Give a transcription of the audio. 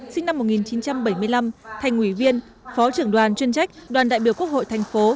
sinh năm một nghìn chín trăm bảy mươi năm thành ủy viên phó trưởng đoàn chuyên trách đoàn đại biểu quốc hội thành phố